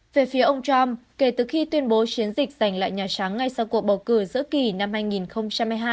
về phía ông trump kể từ khi tuyên bố chiến dịch giành lại nhà trắng ngay sau cuộc bầu cử giữa kỳ năm hai nghìn hai mươi hai